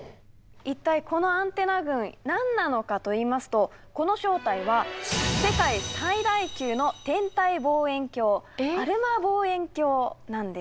一体このアンテナ群何なのかといいますとこの正体は世界最大級の天体望遠鏡アルマ望遠鏡なんです。